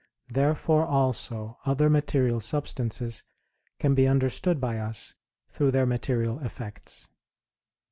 Therefore also other material substances can be understood by us, through their material effects.